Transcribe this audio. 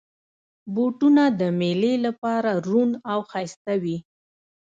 بوټونه د مېلې لپاره روڼ او ښایسته وي.